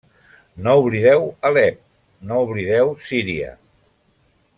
No oblideu Alep, no oblideu Síria.